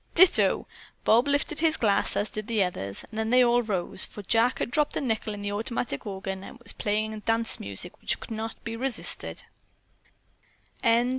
"Ditto!" Bob lifted his glass, as did the others. Then they all rose, for Jack had dropped a nickel in the automatic organ and it was playing dance music which could not be resisted.